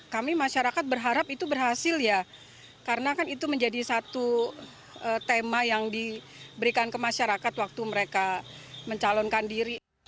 kami masyarakat berharap itu berhasil ya karena kan itu menjadi satu tema yang diberikan ke masyarakat waktu mereka mencalonkan diri